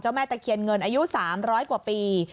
แม่ตะเคียนเงินอายุ๓๐๐กว่าปี